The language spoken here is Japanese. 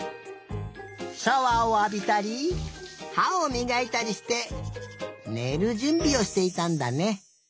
シャワーをあびたりはをみがいたりしてねるじゅんびをしていたんだね。